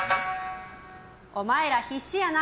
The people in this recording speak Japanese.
お前ら必死やな！